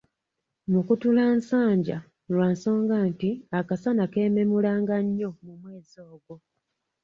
Mukutulasanja, lwa nsonga nti akasana keememulanga nnyo mu mwezi ogwo.